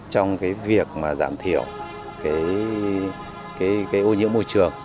trong cái việc mà giảm thiểu cái ô nhiễm môi trường